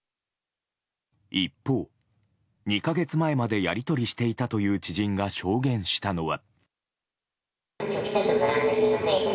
一方、２か月前までやり取りしていたという知人が証言したのは。